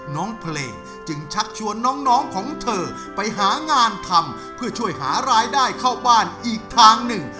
น้องเพลงจึงชักชวนน้องของเธอไปหางานทำเพื่อช่วยหารายได้เข้าบ้านอีกทางหนึ่ง